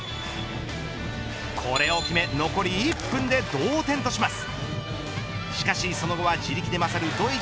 これを決め、残り１分で同点とします。